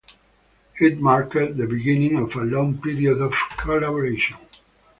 It marked the beginning of a long period of collaboration.